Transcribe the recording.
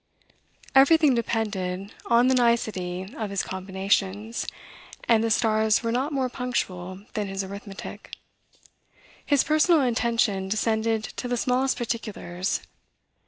Everything depended on the nicety of his combinations, and the stars were not more punctual than his arithmetic. His personal attention descended to the smallest particulars.